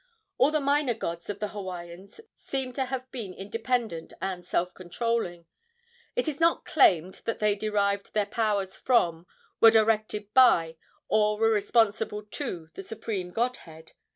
All of the minor gods of the Hawaiians seem to have been independent and self controlling. It is not claimed that they derived their powers from, were directed by, or were responsible to the supreme godhead.